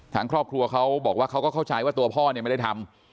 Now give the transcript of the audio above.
ทางครอบครัวเขาบอกว่าเขาก็เข้าใจว่าตัวพ่อเนี่ยไม่ได้ทำ